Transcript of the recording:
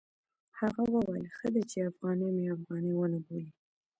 هغه وویل ښه دی چې افغاني مې افغاني ونه بولي.